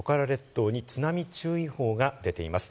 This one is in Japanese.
こちらに津波注意報が出ています。